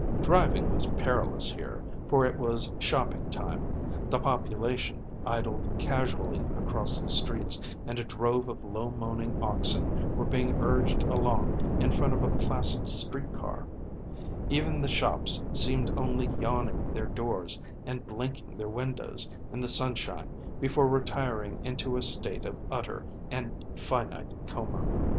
Driving was perilous here, for it was shopping time; the population idled casually across the streets and a drove of low moaning oxen were being urged along in front of a placid street car; even the shops seemed only yawning their doors and blinking their windows in the sunshine before retiring into a state of utter and finite coma.